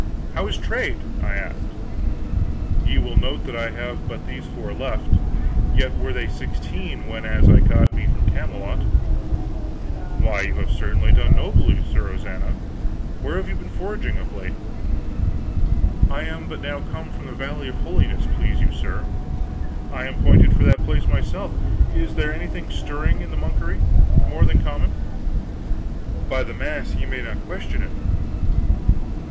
"How is trade?" I asked. "Ye will note that I have but these four left; yet were they sixteen whenas I got me from Camelot." "Why, you have certainly done nobly, Sir Ozana. Where have you been foraging of late?" "I am but now come from the Valley of Holiness, please you sir." "I am pointed for that place myself. Is there anything stirring in the monkery, more than common?" "By the mass ye may not question it!....